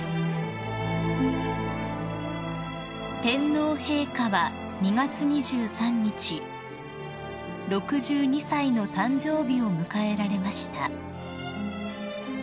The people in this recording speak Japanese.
［天皇陛下は２月２３日６２歳の誕生日を迎えられました］